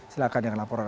silahkan yang laporan anda